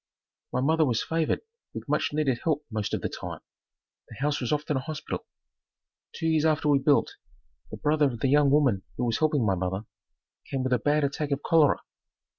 My mother was favored with much needed help most of the time. The house was often a hospital. Two years after we built, the brother of the young woman who was helping my mother, came with a bad attack of cholera.